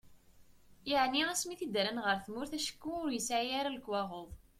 Yeɛni asmi i t-id-rran ɣer tmurt acku ur yesɛi ara lekwaɣeḍ.